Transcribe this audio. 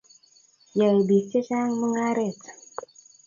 yoe biik chechang' mung'aret